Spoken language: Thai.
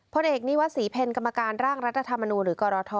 พลเอกนิวัตรศรีเพลกรรมการร่างรัฐธรรมนูลหรือกรท